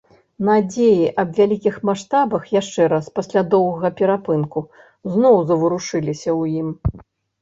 Надзеі аб вялікіх маштабах яшчэ раз, пасля доўгага перапынку, зноў заварушыліся ў ім.